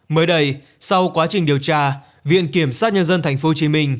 mới đây sau quá trình điều tra viện kiểm sát nhân dân tp hcm